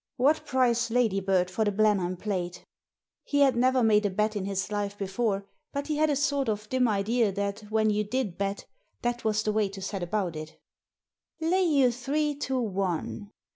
" What price Ladybird for the Blenheim Plate ?" He had never made a bet in his life before, but he had a sort of dim idea that when you did bet that was the way to set about it "Lay you three to one."